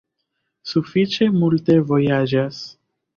Sufiĉe multe vojaĝas.